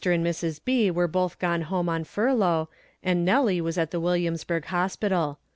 and Mrs. B. were both gone home on furlough, and Nellie was at the Williamsburg Hospital.